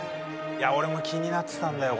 いや俺も気になってたんだよ